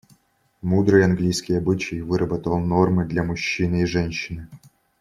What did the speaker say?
Мудрый английский обычай выработал нормы для мужчины и женщины.